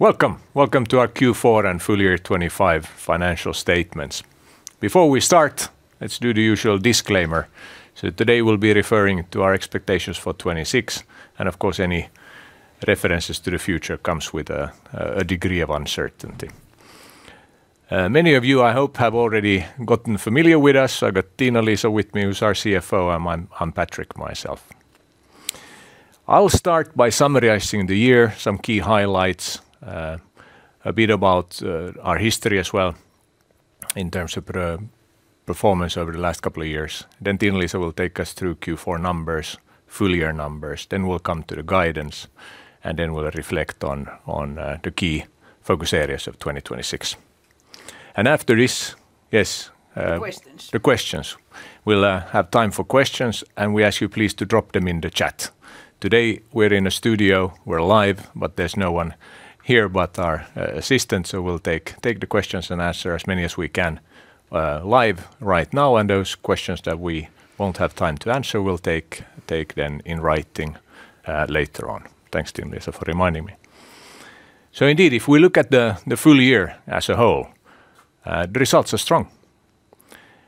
Welcome, welcome to our Q4 and Full Year 2025 Financial Statements. Before we start, let's do the usual disclaimer. So today, we'll be referring to our expectations for 2026, and of course, any references to the future comes with a degree of uncertainty. Many of you, I hope, have already gotten familiar with us. I've got Tiina-Liisa with me, who's our CFO, and I'm Patrik myself. I'll start by summarizing the year, some key highlights, a bit about our history as well, in terms of performance over the last couple of years. Then Tiina-Liisa will take us through Q4 numbers, full year numbers, then we'll come to the guidance, and then we'll reflect on the key focus areas of 2026. And after this, yes. The questions. The questions. We'll have time for questions, and we ask you please to drop them in the chat. Today, we're in a studio, we're live, but there's no one here but our assistant, so we'll take the questions and answer as many as we can live right now, and those questions that we won't have time to answer, we'll take them in writing later on. Thanks, Tiina-Liisa, for reminding me. So indeed, if we look at the full year as a whole, the results are strong.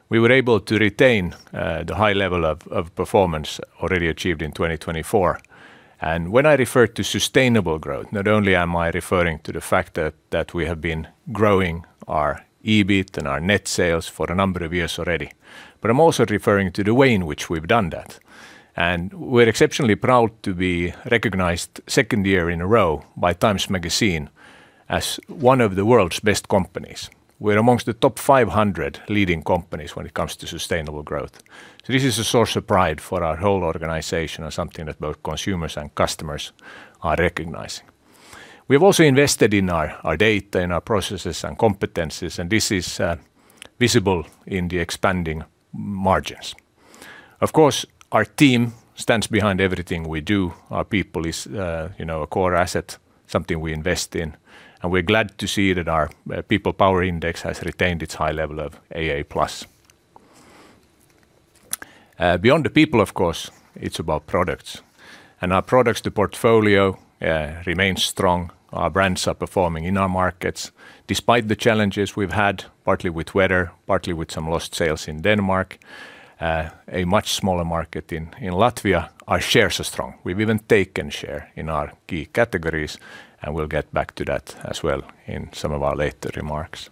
We were able to retain the high level of performance already achieved in 2024. When I refer to sustainable growth, not only am I referring to the fact that we have been growing our EBIT and our net sales for a number of years already, but I'm also referring to the way in which we've done that. We're exceptionally proud to be recognized second year in a row by Time Magazine as one of the world's best companies. We're among the top 500 leading companies when it comes to sustainable growth. This is a source of pride for our whole organization and something that both consumers and customers are recognizing. We've also invested in our data, in our processes and competencies, and this is visible in the expanding margins. Of course, our team stands behind everything we do. Our people is, you know, a core asset, something we invest in, and we're glad to see that our PeoplePower index has retained its high level of AA plus. Beyond the people, of course, it's about products. Our products, the portfolio, remains strong. Our brands are performing in our markets, despite the challenges we've had, partly with weather, partly with some lost sales in Denmark, a much smaller market in Latvia, our shares are strong. We've even taken share in our key categories, and we'll get back to that as well in some of our later remarks.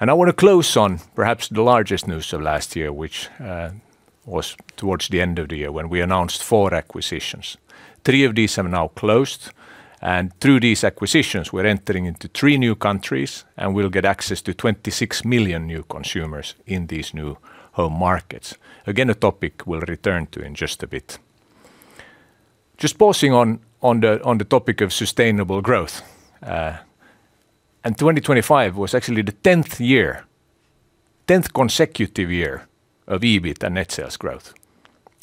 I want to close on perhaps the largest news of last year, which was towards the end of the year, when we announced four acquisitions. Three of these have now closed, and through these acquisitions, we're entering into three new countries, and we'll get access to 26 million new consumers in these new home markets. Again, a topic we'll return to in just a bit. Just pausing on the topic of sustainable growth, and 2025 was actually the 10th year, 10th consecutive year of EBIT and net sales growth.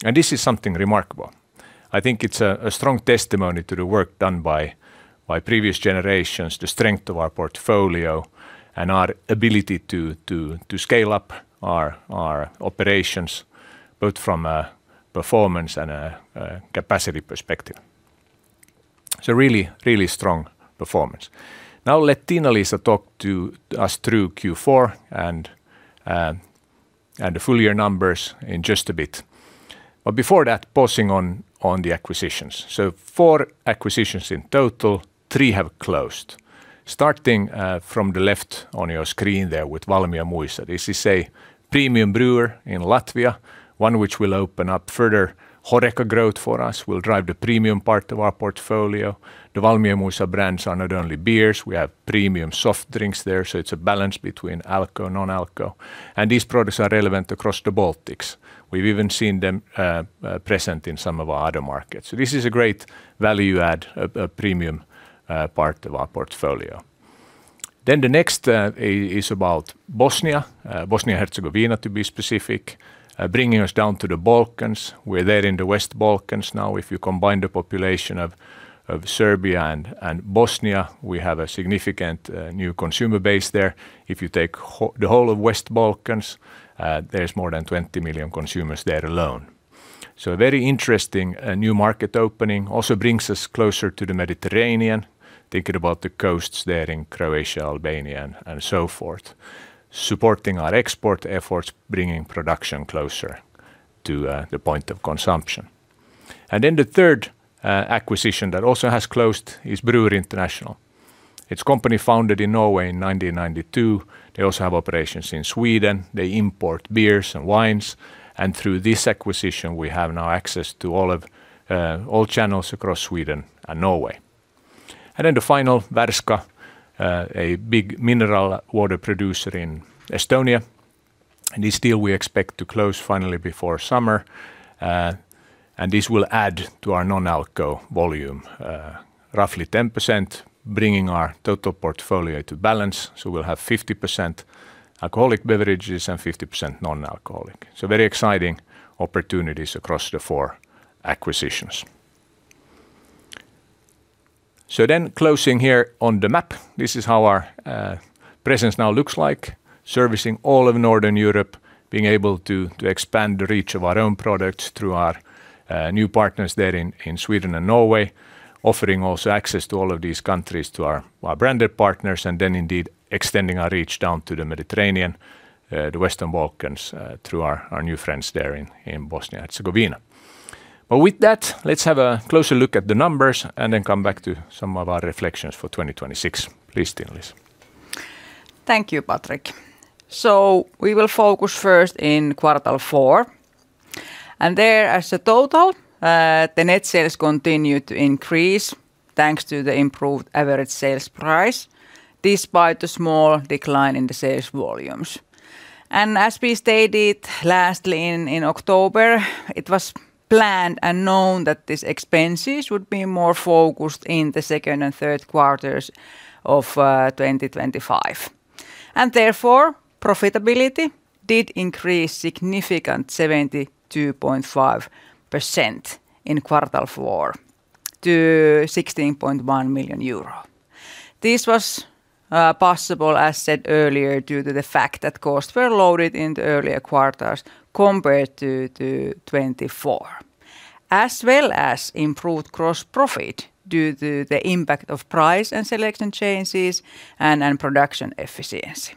And this is something remarkable. I think it's a strong testimony to the work done by previous generations, the strength of our portfolio, and our ability to scale up our operations, both from a performance and a capacity perspective. So really, really strong performance. Now, let Tiina-Liisa talk to us through Q4 and the full year numbers in just a bit. But before that, pausing on the acquisitions. So four acquisitions in total, three have closed. Starting from the left on your screen there with Valmiermuižas Alus. This is a premium brewer in Latvia, one which will open up further HoReCa growth for us, will drive the premium part of our portfolio. The Valmiermuižas Alus brands are not only beers, we have premium soft drinks there, so it's a balance between alco and non-alco. And these products are relevant across the Baltics. We've even seen them present in some of our other markets. So this is a great value add, a premium part of our portfolio. Then the next is about Bosnia and Herzegovina, to be specific, bringing us down to the Balkans. We're there in the Western Balkans now. If you combine the population of Serbia and Bosnia, we have a significant new consumer base there. If you take the whole of Western Balkans, there's more than 20 million consumers there alone. So a very interesting new market opening, also brings us closer to the Mediterranean, thinking about the coasts there in Croatia, Albania, and so forth, supporting our export efforts, bringing production closer to the point of consumption. And then the third acquisition that also has closed is Brewery International. It's a company founded in Norway in 1992. They also have operations in Sweden. They import beers and wines, and through this acquisition, we have now access to all of all channels across Sweden and Norway. And then the final, Värska, a big mineral water producer in Estonia, and this deal we expect to close finally before summer. And this will add to our non-alco volume roughly 10%, bringing our total portfolio to balance. So we'll have 50% alcoholic beverages and 50% non-alcoholic. So very exciting opportunities across the four acquisitions. So then closing here on the map, this is how our presence now looks like servicing all of Northern Europe, being able to expand the reach of our own products through our new partners there in Sweden and Norway, offering also access to all of these countries to our branded partners, and then indeed extending our reach down to the Mediterranean, the Western Balkans, through our new friends there in Bosnia and Herzegovina. But with that, let's have a closer look at the numbers and then come back to some of our reflections for 2026. Please, Tiina, listen. Thank you, Patrik. So we will focus first in quarter four, and there as a total, the net sales continued to increase, thanks to the improved average sales price, despite the small decline in the sales volumes. And as we stated lastly in October, it was planned and known that these expenses would be more focused in the second and third quarters of 2025. And therefore, profitability did increase significant 72.5% in quarter four to 16.1 million euro. This was possible, as said earlier, due to the fact that costs were loaded in the earlier quarters compared to 2024, as well as improved gross profit due to the impact of price and selection changes and production efficiency.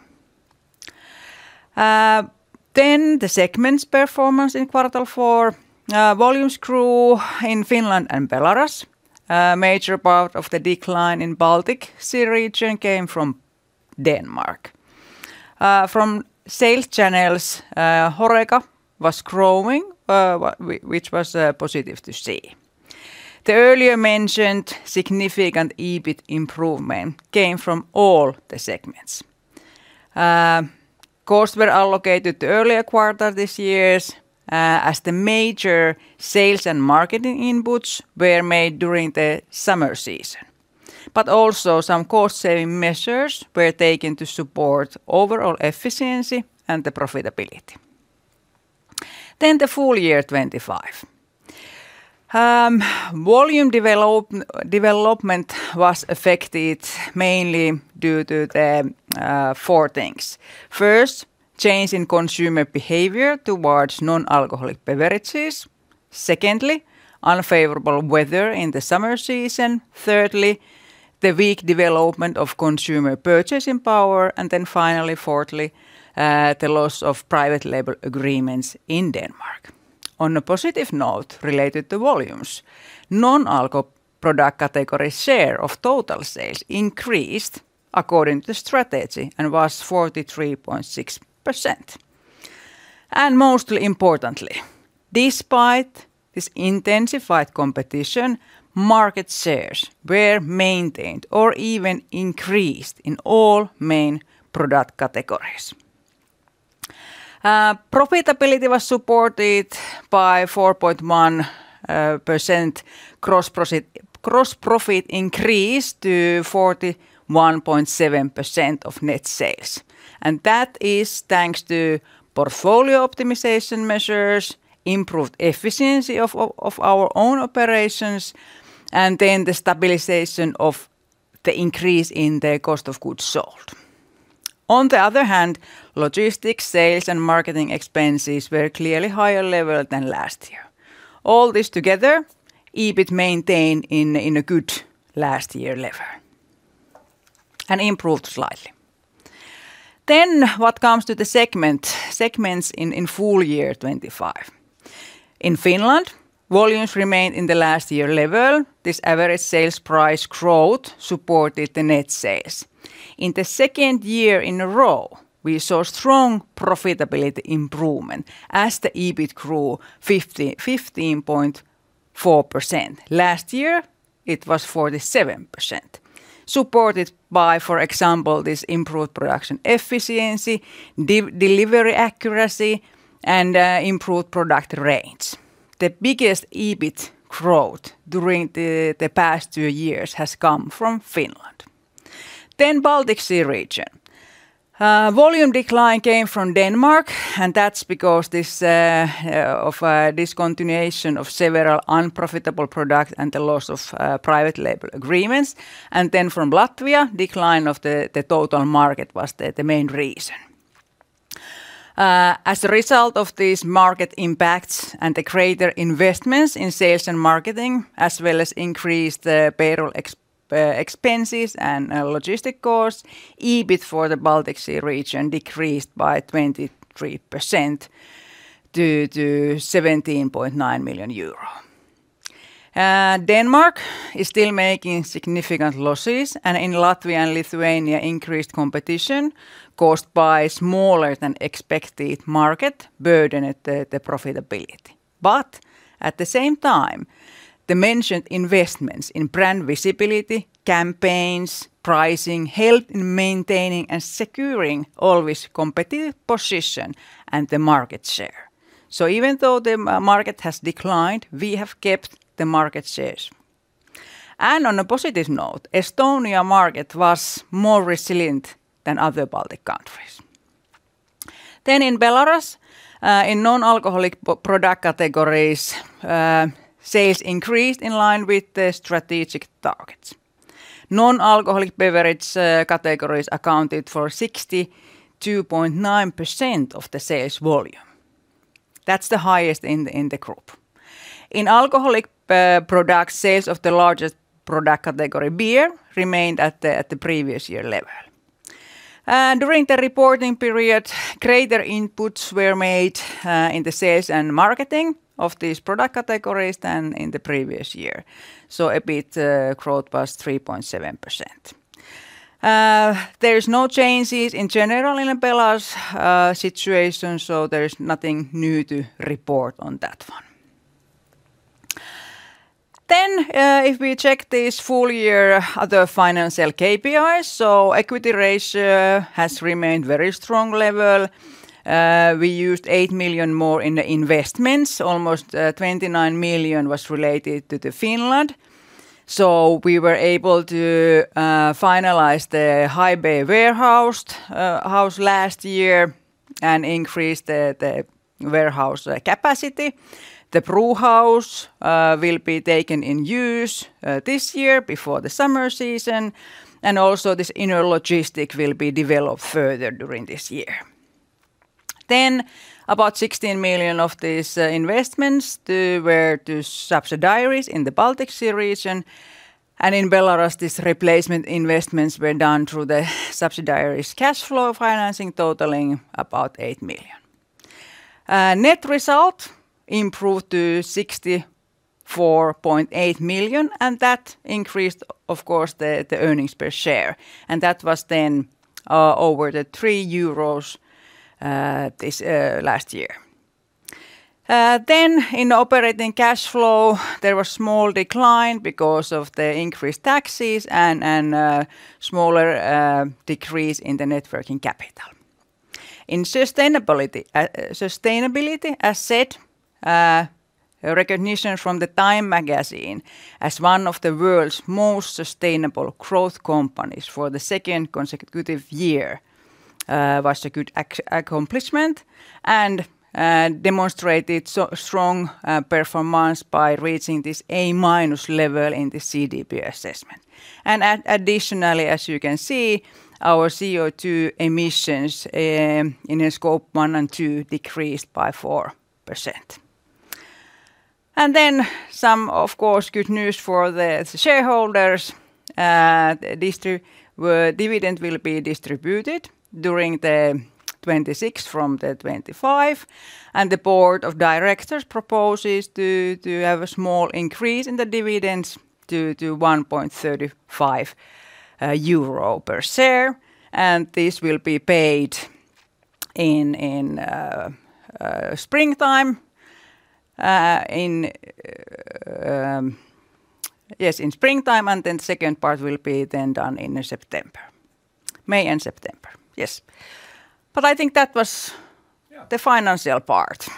Then the segments performance in quarter four. Volumes grew in Finland and Belarus. A major part of the decline in Baltic Sea Region came from Denmark. From sales channels, HoReCa was growing, which was positive to see. The earlier mentioned significant EBIT improvement came from all the segments. Costs were allocated the earlier quarter this year's, as the major sales and marketing inputs were made during the summer season. But also some cost-saving measures were taken to support overall efficiency and the profitability. Then the full year 2025. Volume development was affected mainly due to the four things: First, change in consumer behavior towards non-alcoholic beverages; secondly, unfavorable weather in the summer season; thirdly, the weak development of consumer purchasing power; and then finally, fourthly, the loss of private label agreements in Denmark. On a positive note related to volumes, non-alco product category share of total sales increased according to strategy and was 43.6%. And most importantly, despite this intensified competition, market shares were maintained or even increased in all main product categories. Profitability was supported by 4.1%, gross profit increased to 41.7% of net sales, and that is thanks to portfolio optimization measures, improved efficiency of our own operations, and then the stabilization of the increase in the cost of goods sold. On the other hand, logistics, sales, and marketing expenses were clearly higher level than last year. All this together, EBIT maintained in a good last year level and improved slightly. Then what comes to the segment, segments in full year 2025? In Finland, volumes remained in the last year level. This average sales price growth supported the net sales. In the second year in a row, we saw strong profitability improvement as the EBIT grew 51.4%. Last year, it was 47%, supported by, for example, this improved production efficiency, delivery accuracy, and improved product range. The biggest EBIT growth during the past two years has come from Finland. Then Baltic Sea Region. Volume decline came from Denmark, and that's because of discontinuation of several unprofitable product and the loss of private label agreements. And then from Latvia, decline of the total market was the main reason. As a result of these market impacts and the greater investments in sales and marketing, as well as increased payroll expenses and logistic costs, EBIT for the Baltic Sea Region decreased by 23% to 17.9 million euro. Denmark is still making significant losses, and in Latvia and Lithuania, increased competition caused by smaller than expected market burdened the profitability. But at the same time, the mentioned investments in brand visibility, campaigns, pricing, helped in maintaining and securing all this competitive position and the market share. So even though the market has declined, we have kept the market shares. And on a positive note, Estonia market was more resilient than other Baltic countries. Then in Belarus, in non-alcoholic product categories, sales increased in line with the strategic targets. Non-alcoholic beverage categories accounted for 62.9% of the sales volume. That's the highest in the group. In alcoholic products, sales of the largest product category, beer, remained at the previous year level. And during the reporting period, greater inputs were made in the sales and marketing of these product categories than in the previous year. So EBIT growth was 3.7%. There's no changes in general in Belarus situation, so there's nothing new to report on that one. Then, if we check this full year, other financial KPIs, so equity ratio has remained very strong level. We used 8 million more in the investments. Almost 29 million was related to Finland. So we were able to finalize the high bay warehouse last year and increase the warehouse capacity. The brewhouse will be taken in use this year before the summer season, and also this inner logistic will be developed further during this year. Then, about 16 million of these investments, they were to subsidiaries in the Baltic Sea Region, and in Belarus, these replacement investments were done through the subsidiaries cash flow financing, totaling about 8 million. Net result improved to 64.8 million, and that increased, of course, the earnings per share, and that was then over 3 euros this last year. Then in operating cash flow, there was small decline because of the increased taxes and smaller decrease in the net working capital. In sustainability, as said, a recognition from the Time Magazine as one of the world's most sustainable growth companies for the second consecutive year was a good accomplishment and demonstrated so strong performance by reaching this A-minus level in the CDP assessment. Additionally, as you can see, our CO2 emissions in a Scope 1 and 2 decreased by 4%. And then some, of course, good news for the shareholders. Dividend will be distributed during the 26th from the 25, and the board of directors proposes to have a small increase in the dividends to 1.35 euro per share, and this will be paid in springtime, yes, in springtime, and then second part will be then done in September. May and September. Yes. I think that was the financial part.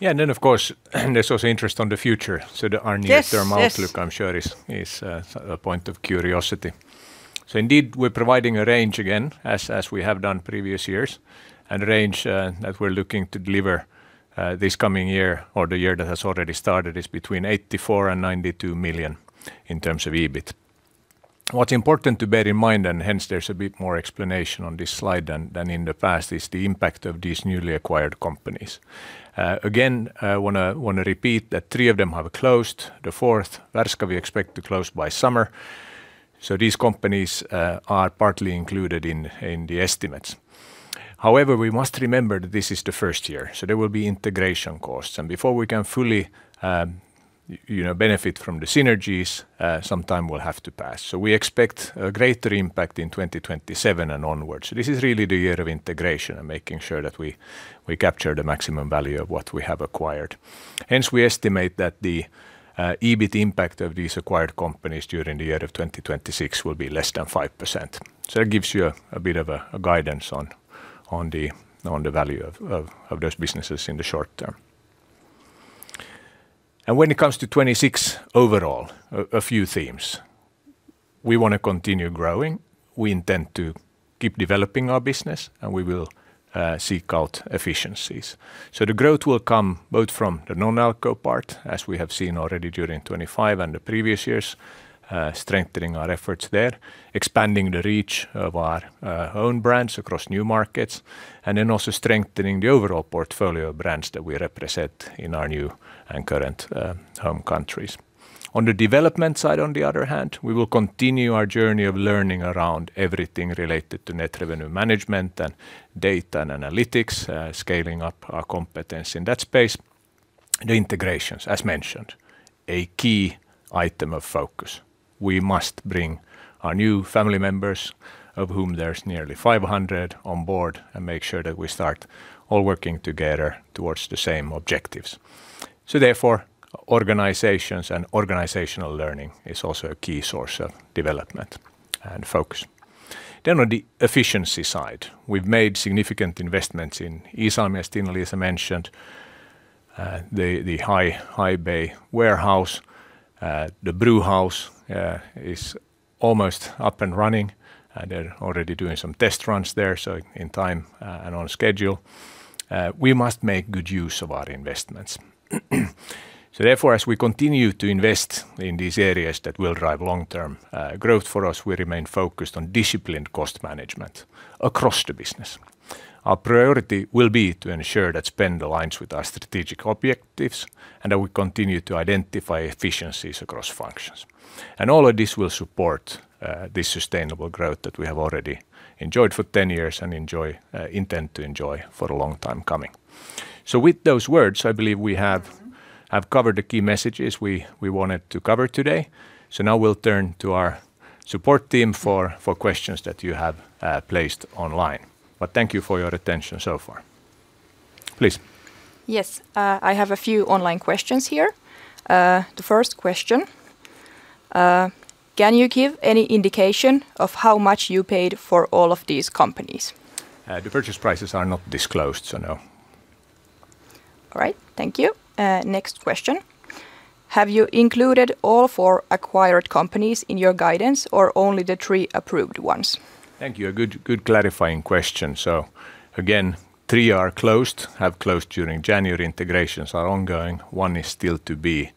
Yeah, and then, of course, there's also interest on the future. So the outlook, I'm sure a point of curiosity. So indeed, we're providing a range again, as we have done previous years, and range that we're looking to deliver this coming year or the year that has already started, is between 84 million and 92 million in terms of EBIT. What's important to bear in mind, and hence there's a bit more explanation on this slide than in the past, is the impact of these newly acquired companies. Again, I wanna repeat that three of them have closed. The fourth, Värska, we expect to close by summer. So these companies are partly included in the estimates. However, we must remember that this is the first year, so there will be integration costs, and before we can fully, you know, benefit from the synergies, some time will have to pass. So we expect a greater impact in 2027 and onwards. So this is really the year of integration and making sure that we, we capture the maximum value of what we have acquired. Hence, we estimate that the, EBIT impact of these acquired companies during the year of 2026 will be less than 5%. So that gives you a, a bit of a, a guidance on, on the, on the value of, of, of those businesses in the short term. And when it comes to 2026, overall, a, a few themes. We wanna continue growing, we intend to keep developing our business, and we will, seek out efficiencies. So the growth will come both from the non-alco part, as we have seen already during 2025 and the previous years, strengthening our efforts there, expanding the reach of our own brands across new markets, and then also strengthening the overall portfolio of brands that we represent in our new and current home countries. On the development side, on the other hand, we will continue our journey of learning around everything related to net revenue management and data and analytics, scaling up our competence in that space. The integrations, as mentioned, a key item of focus. We must bring our new family members, of whom there's nearly 500 on board, and make sure that we start all working together towards the same objectives. So therefore, organizations and organizational learning is also a key source of development and focus. Then on the efficiency side, we've made significant investments in e-commerce, as Tiina-Liisa mentioned. The high bay warehouse, the brewhouse, is almost up and running, and they're already doing some test runs there, so in time and on schedule. We must make good use of our investments. So therefore, as we continue to invest in these areas that will drive long-term growth for us, we remain focused on disciplined cost management across the business. Our priority will be to ensure that spend aligns with our strategic objectives, and that we continue to identify efficiencies across functions. And all of this will support the sustainable growth that we have already enjoyed for 10 years and enjoy, intend to enjoy for a long time coming. So with those words, I believe we have covered the key messages we wanted to cover today. So now we'll turn to our support team for questions that you have placed online. But thank you for your attention so far. Please. Yes, I have a few online questions here. The first question: can you give any indication of how much you paid for all of these companies? The purchase prices are not disclosed, so no. All right. Thank you. Next question: Have you included all four acquired companies in your guidance, or only the three approved ones? Thank you. A good, good clarifying question. So again, three are closed, have closed during January. Integrations are ongoing. One is still to be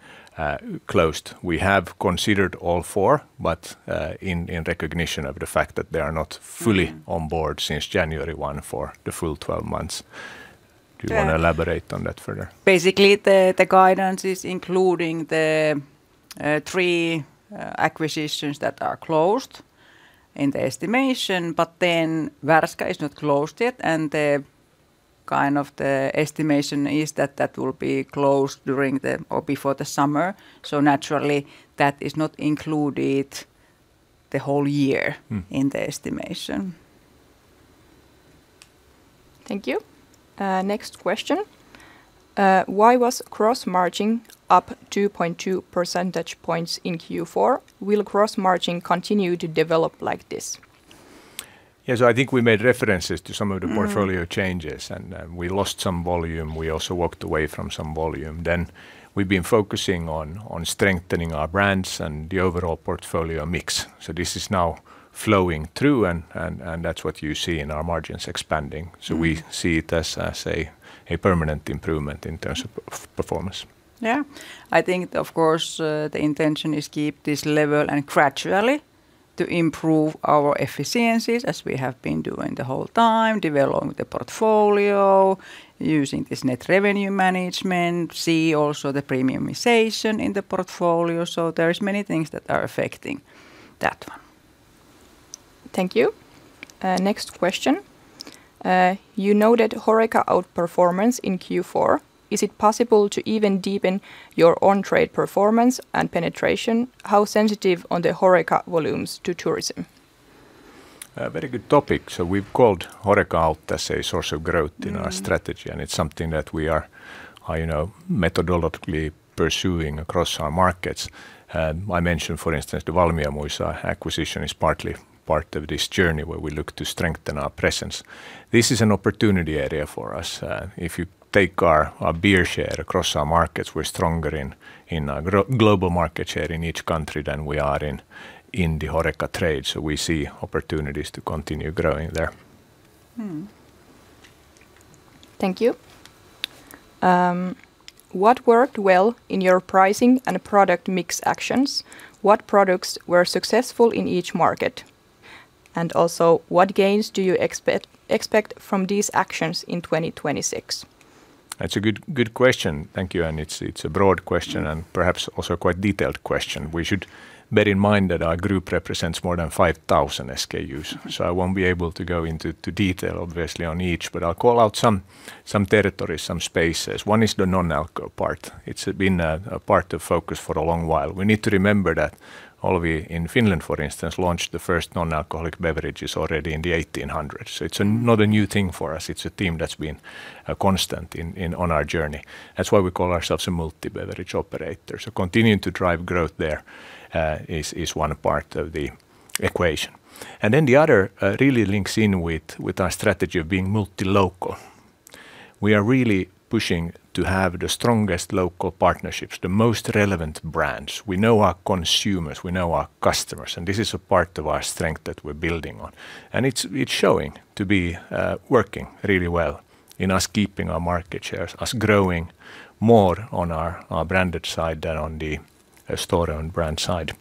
closed. We have considered all four, but in recognition of the fact that they are not fully on board since January 1 for the full 12 months. Yeah. Do you wanna elaborate on that further? Basically, the guidance is including the three acquisitions that are closed in the estimation, but then Värska is not closed yet, and the kind of the estimation is that that will be closed during or before the summer. So naturally, that is not included the whole year in the estimation. Thank you. Next question: Why was gross margin up 2.2 percentage points in Q4? Will gross margin continue to develop like this? Yes, I think we made references to some of the portfolio changes, and, we lost some volume. We also walked away from some volume. Then we've been focusing on strengthening our brands and the overall portfolio mix. So this is now flowing through, and that's what you see in our margins expanding. We see it as a permanent improvement in terms of performance. Yeah. I think, of course, the intention is keep this level and gradually to improve our efficiencies, as we have been doing the whole time, developing the portfolio, using this net revenue management, see also the premiumization in the portfolio. So there is many things that are affecting that one. Thank you. Next question: You noted HoReCa outperformance in Q4. Is it possible to even deepen your on-trade performance and penetration? How sensitive on the HoReCa volumes to tourism? Very good topic. So we've called HoReCa out as a source of growth in our strategy, and it's something that we are, you know, methodologically pursuing across our markets. I mentioned, for instance, the Valmiermuižas acquisition is partly part of this journey, where we look to strengthen our presence. This is an opportunity area for us. If you take our beer share across our markets, we're stronger in our global market share in each country than we are in the HoReCa trade. So we see opportunities to continue growing there. Thank you. What worked well in your pricing and product mix actions? What products were successful in each market? And also, what gains do you expect from these actions in 2026? That's a good, good question. Thank you, and it's, it's a broad question and perhaps also a quite detailed question. We should bear in mind that our group represents more than 5,000 SKUs. So I won't be able to go into to detail, obviously, on each, but I'll call out some territories, some spaces. One is the non-alco part. It's been a part of focus for a long while. We need to remember that Olvi in Finland, for instance, launched the first non-alcoholic beverages already in the 1800s. So it's not a new thing for us. It's a theme that's been a constant in on our journey. That's why we call ourselves a multi-beverage operator. So continuing to drive growth there is one part of the equation. And then the other really links in with our strategy of being multi-local. We are really pushing to have the strongest local partnerships, the most relevant brands. We know our consumers, we know our customers, and this is a part of our strength that we're building on. And it's showing to be working really well in us keeping our market shares, us growing more on our branded side than on the store and brand side.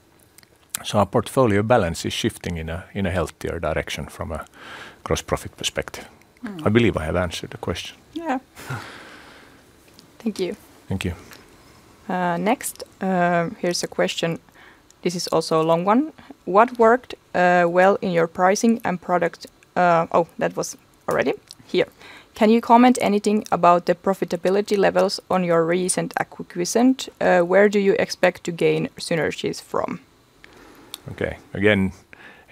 So our portfolio balance is shifting in a healthier direction from a cross-profit perspective. I believe I have answered the question. Yeah. Thank you. Thank you. Next, here's a question. This is also a long one. What worked well in your pricing and product. Oh, that was already. Here: Can you comment anything about the profitability levels on your recent acquisition? Where do you expect to gain synergies from? Okay. Again,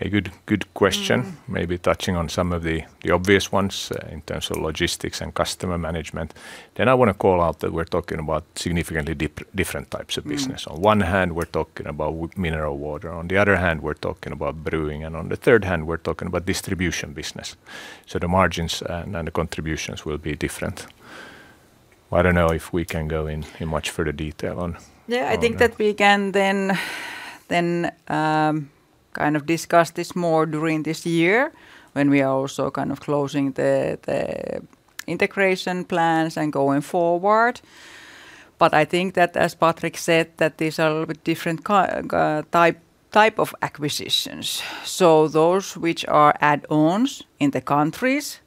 a good, good question maybe touching on some of the obvious ones in terms of logistics and customer management. Then I wanna call out that we're talking about significantly different types of business. On one hand, we're talking about mineral water, on the other hand, we're talking about brewing, and on the third hand, we're talking about distribution business. So the margins and the contributions will be different. I don't know if we can go in much further detail on. Yeah, I think that we can then kind of discuss this more during this year when we are also kind of closing the integration plans and going forward. But I think that, as Patrik said, that these are a little bit different type of acquisitions. So those which are add-ons in the countries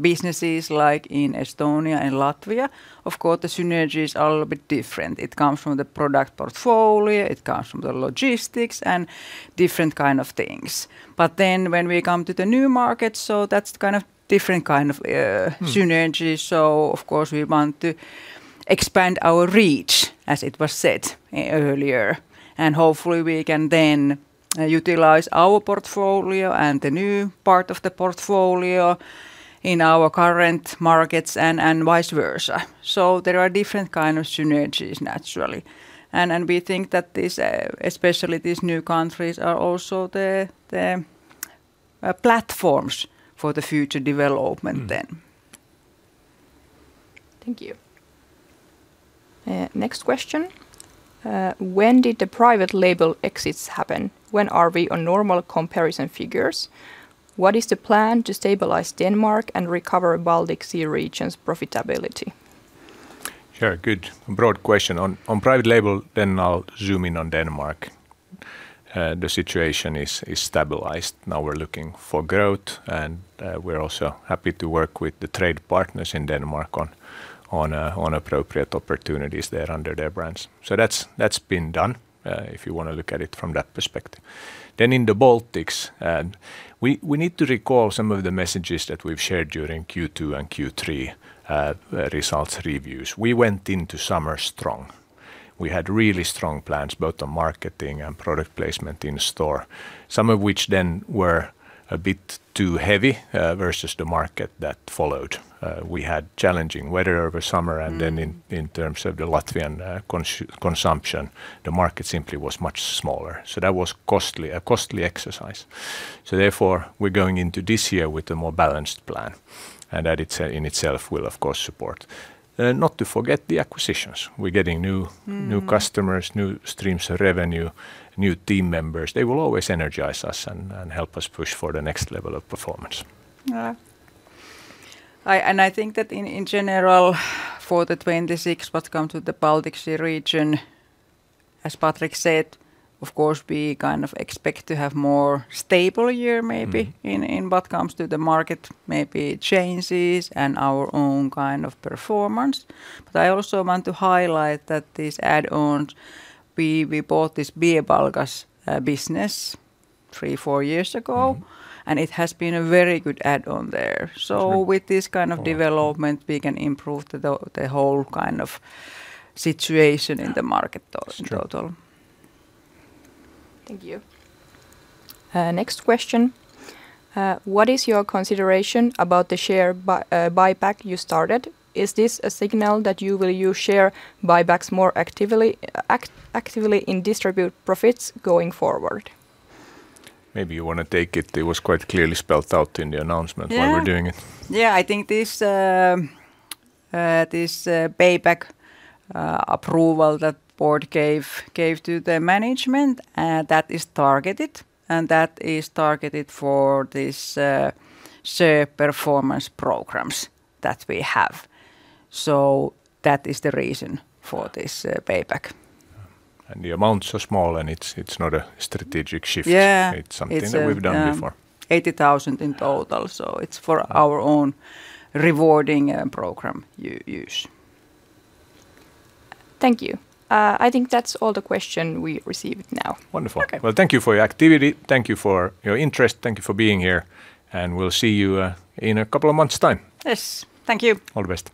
businesses like in Estonia and Latvia, of course, the synergies are a little bit different. It comes from the product portfolio, it comes from the logistics and different kind of things. But then when we come to the new market, so that's kind of different kind of synergies, so of course we want to expand our reach, as it was said, earlier. And hopefully we can then utilize our portfolio and the new part of the portfolio in our current markets and vice versa. So there are different kind of synergies, naturally, and we think that this, especially these new countries, are also the platforms for the future development then. Thank you. Next question: When did the private label exits happen? When are we on normal comparison figures? What is the plan to stabilize Denmark and recover Baltic Sea Region's profitability? Sure. Good broad question. On private label, then I'll zoom in on Denmark. The situation is stabilized. Now we're looking for growth, and we're also happy to work with the trade partners in Denmark on appropriate opportunities there under their brands. So that's been done, if you wanna look at it from that perspective. Then in the Baltics, we need to recall some of the messages that we've shared during Q2 and Q3 results reviews. We went into summer strong. We had really strong plans, both on marketing and product placement in store, some of which then were a bit too heavy versus the market that followed. We had challenging weather over summer and then in terms of the Latvian consumption, the market simply was much smaller, so that was costly, a costly exercise. So therefore, we're going into this year with a more balanced plan, and that in itself will of course support. Not to forget the acquisitions. We're getting new customers, new streams of revenue, new team members. They will always energize us and help us push for the next level of performance. Yeah. And I think that in general, for the 2026, what comes to the Baltic Sea Region, as Patrik said, of course, we kind of expect to have more stable year maybe in what comes to the market, maybe changes and our own kind of performance. But I also want to highlight that these add-ons, we bought this Beer Baltics business three, four years ago and it has been a very good add-on there. That's right. So with this kind of development we can improve the whole kind of situation in the market. That's true In total. Thank you. Next question: What is your consideration about the share buyback you started? Is this a signal that you will use share buybacks more actively to distribute profits going forward? Maybe you wanna take it. It was quite clearly spelled out in the announcement why we're doing it. Yeah, I think this buyback approval that the board gave to the management that is targeted for this share performance programs that we have. So that is the reason for this buyback. The amounts are small, and it's not a strategic shift. It's something that we've done before. It's a 80,000 in total, so it's for our own rewarding program use. Thank you. I think that's all the question we received now. Wonderful. Okay. Well, thank you for your activity. Thank you for your interest. Thank you for being here, and we'll see you in a couple of months' time. Yes. Thank you. All the best.